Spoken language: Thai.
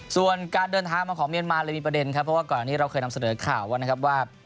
ส่วนการเดินทางมาของเมียนมาเลยมีประเด็นครับเพราะว่าก่อนนี้เราเคยนำเสนอข่าวว่านะครับว่า